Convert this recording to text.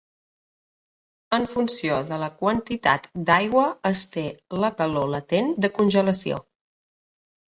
En funció de la quantitat d'aigua es té la calor latent de congelació.